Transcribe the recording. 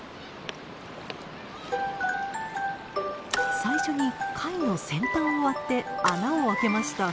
最初に貝の先端を割って穴を開けました。